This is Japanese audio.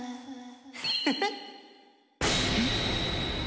フフッ！